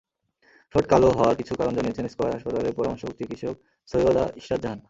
ঠোঁট কালো হওয়ার কিছু কারণ জানিয়েছেন স্কয়ার হাসপাতালের পরামর্শক চিকিৎসক সৈয়দা ইশরাত জাহান।